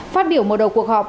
phát biểu mở đầu cuộc họp